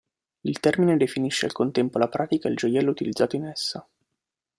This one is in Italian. Il termine definisce al contempo la pratica e il gioiello utilizzato in essa.